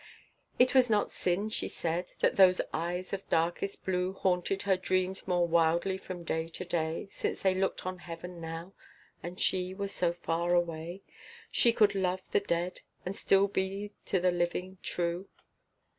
It was not sin, she said, that those eyes of darkest blue Haunted her dreams more wildly from day to day, Since they looked on Heaven now, and she was so far away, She could love the dead and still be to the living true.